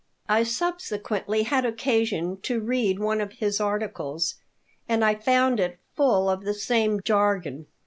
I subsequently had occasion to read one of his articles and I found it full of the same jargon.